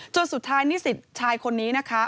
จนสุดท้ายนิสิตชายคนนี้นะคะ